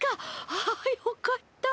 あよかった。